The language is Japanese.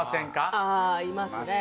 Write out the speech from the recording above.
ああいますね